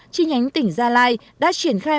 chi nhánh tỉnh gia lai đã triển khai